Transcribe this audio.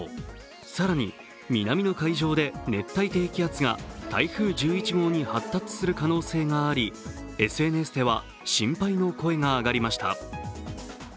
更に南の海上で熱帯低気圧が台風１１号に発達する可能性がありＳＮＳでは心配の声が上がりました。